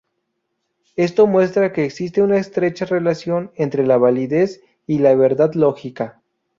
Esto muestra que existe una estrecha relación entre la validez y la verdad lógica.